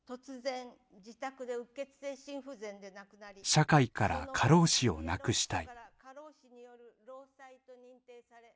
社会から過労死をなくしたい。